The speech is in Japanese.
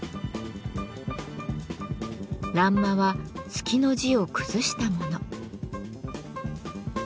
欄間は月の字を崩したもの。